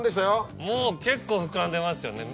もう結構膨らんでますよね。